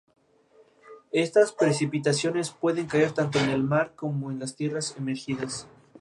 La policía incluso arrestó indebidamente el Mestre Gabriel.